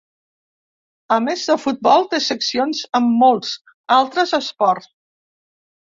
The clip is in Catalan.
A més de futbol, té seccions en molts altres esports.